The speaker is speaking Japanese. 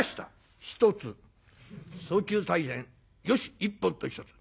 送球よし一本と一つ。